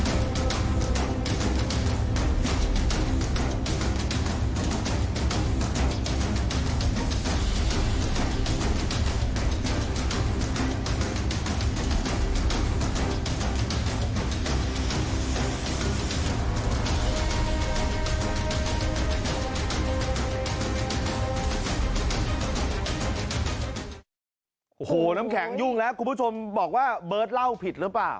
โอ้โหน้ำแข็งยุ่งแล้วคุณผู้ชมบอกว่าเบิร์ตเล่าผิดหรือเปล่า